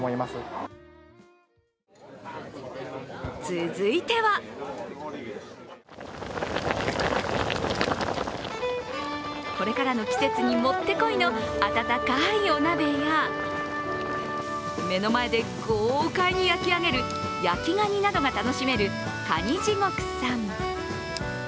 続いてはこれからの季節にもってこいのあたたかいお鍋や目の前で豪快に焼き上げる焼きがになどが楽しめるかに地獄さん。